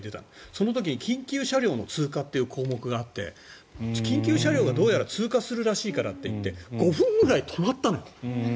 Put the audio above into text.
その時に緊急車両の通過という項目があって緊急車両がどうやら通過するらしいからって言って５分ぐらい止まったのよ。